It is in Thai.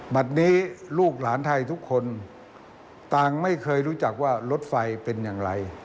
บัตรนี้ลูกหลานไทยทุกคนต่างไม่เคยรู้จักว่ารถไฟเป็นอย่างไร